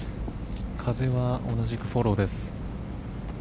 風は同じくフォローです。